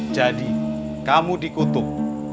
jadi kamu dikutuk